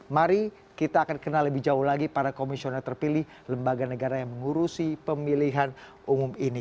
mari kita akan kenal lebih jauh lagi para komisioner terpilih lembaga negara yang mengurusi pemilihan umum ini